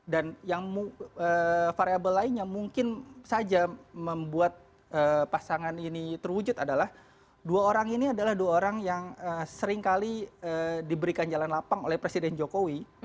dan yang variable lainnya mungkin saja membuat pasangan ini terwujud adalah dua orang ini adalah dua orang yang seringkali diberikan jalan lapang oleh presiden jokowi